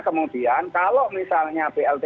kemudian kalau misalnya blt